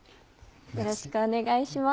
よろしくお願いします。